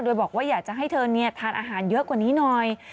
โดยบอกว่าอยากจะให้เธอทานอาหารเยอะกว่านี้หน่อย